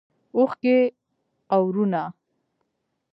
اوښکې اورونه